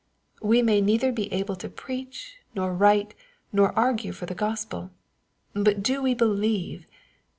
We may neither be able to preach, nor write, nor argue for the Gospel : but do we believe